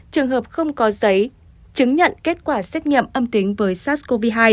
trường hợp không có giấy chứng nhận kết quả xét nghiệm âm tính với sars cov hai